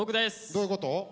どういうこと？